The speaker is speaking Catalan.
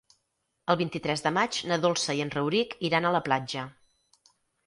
El vint-i-tres de maig na Dolça i en Rauric iran a la platja.